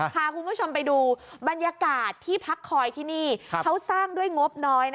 พาคุณผู้ชมไปดูบรรยากาศที่พักคอยที่นี่เขาสร้างด้วยงบน้อย